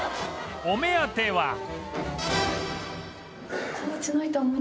お目当ては